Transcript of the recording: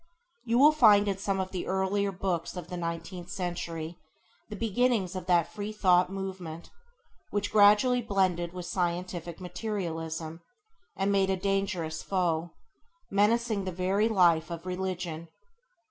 You find in some of the earlier books of the nineteenth century the beginnings of that Free Thought movement, which gradually blended with scientific materialism, and made a dangerous foe, menacing the very life of Religion.